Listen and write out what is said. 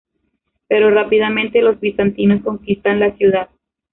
Pero rápidamente los bizantinos conquistan la ciudad.